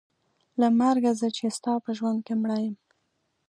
له مرګه زه چې ستا په ژوند کې مړه یم.